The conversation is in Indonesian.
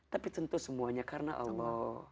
tapi tentu semuanya karena allah